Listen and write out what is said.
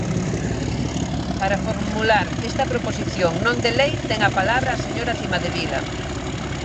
Para formular esta proposición non de lei ten a palabra a señora Cimadevila.